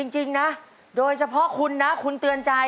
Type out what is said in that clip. จริงนะโดยเฉพาะคุณนะ